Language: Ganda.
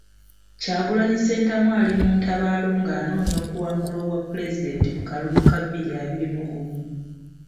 Kyagulanyi Ssentamu ali mu ntabaalo ng'anoonya okuwangula obwapulezidenti mu kalulu ka bbiri abiri mu gumu.